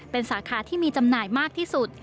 เป็นสาขาที่มีจำหน่ายมากที่สุด